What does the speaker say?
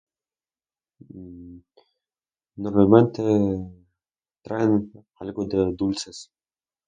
Mmmm... Normalmente traen algo entre los dulces